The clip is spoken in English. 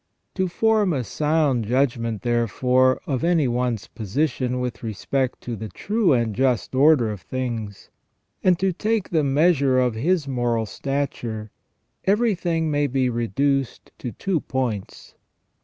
To form a sound judgment, therefore, of any one's position with respect to the true and just order of things, and to take the measure of his moral stature, everything may be reduced to two points.